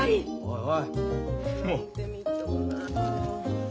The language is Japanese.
おい！